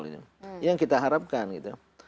ini yang kita harapkan gitu